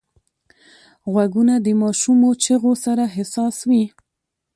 غوږونه د ماشومو چیغو سره حساس وي